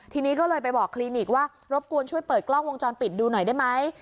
ทีนี้ก็เลยไปบอกคลินิกว่ารบกวนช่วยเปิดกล้องวงจรปิดดูหน่อยได้ไหม